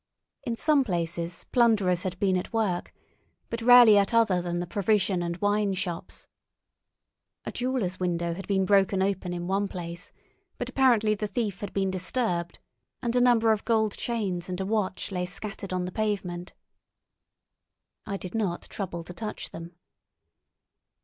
In some places plunderers had been at work, but rarely at other than the provision and wine shops. A jeweller's window had been broken open in one place, but apparently the thief had been disturbed, and a number of gold chains and a watch lay scattered on the pavement. I did not trouble to touch them.